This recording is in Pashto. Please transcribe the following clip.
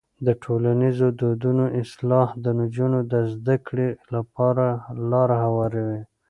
د ټولنیزو دودونو اصلاح د نجونو د زده کړې لپاره لاره هواروي.